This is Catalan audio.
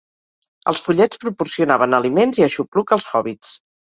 Els follets proporcionaven aliments i aixopluc als hòbbits.